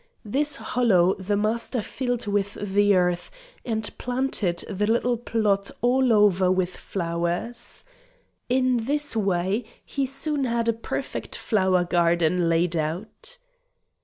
This hollow the Master filled with the earth, and planted the little plot all over with flowers. In this way he soon had a perfect flower garden laid out.